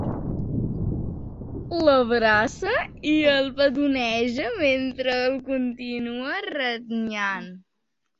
L'abraça i el petoneja mentre el continua renyant.